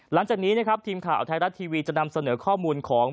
หลังจากนี้นะครับทีมข่าวไทยรัฐทีวีจะนำเสนอข้อมูลของ